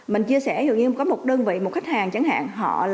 mình chia sẻ dù như có một đơn vị một khách hàng chẳng hạn